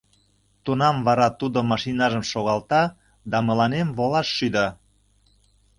Тунам вара тудо машиныжым шогалта да мыланем волаш шӱда.